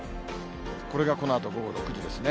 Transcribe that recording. これがこのあと午後６時ですね。